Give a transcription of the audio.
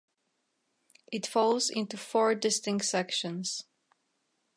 It falls into four distinct sections.